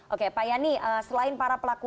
oke pak yani selain para pelaku